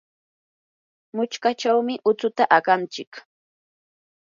muchkachawmi utsuta aqanchik.